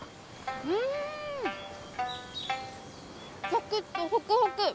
サクッとホクホク！